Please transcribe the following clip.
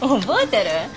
覚えてる？